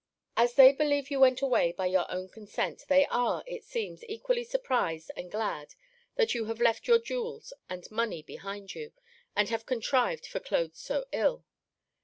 As they believe you went away by your own consent, they are, it seems, equally surprised and glad that you have left your jewels and money behind you, and have contrived for clothes so ill.